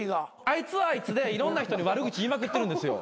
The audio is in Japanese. あいつはあいつでいろんな人に悪口言いまくってるんですよ。